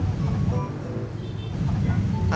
apaan lagi sih mas pur